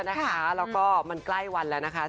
แล้วก็มันใกล้วันแล้วนะคะ